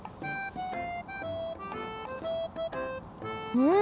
うん！